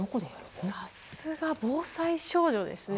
さすが防災少女ですね。